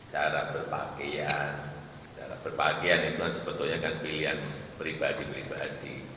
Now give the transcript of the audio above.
cara berpakaian cara berpakaian itu kan sebetulnya kan pilihan pribadi pribadi